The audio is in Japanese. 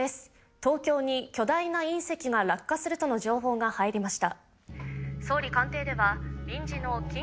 東京に巨大な隕石が落下するとの情報が入りました